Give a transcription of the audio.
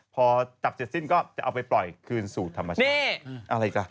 พอจับจริงก็เอาไปปล่อยคืนสูตรธรรมชาติ